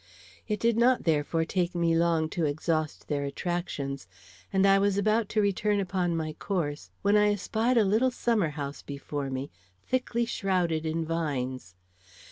It did not, therefore, take me long to exhaust their attractions, and I was about to return upon my course, when I espied a little summer house before me, thickly shrouded in vines.